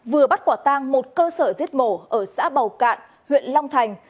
vừa bắt quả tang một cơ sở giết mổ ở xã bầu cạn huyện long thành